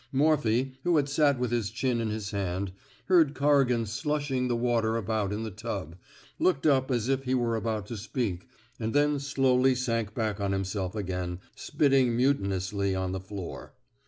Morphy, who had sat with his chin in his hand, heard Corrigan slushing the water about in the tub, looked up as if he were about to speak, and then slowly sank back on himself again, spitting mutinously on the floor.